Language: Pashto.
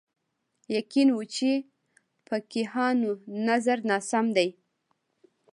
یقین و چې فقیهانو نظر ناسم دی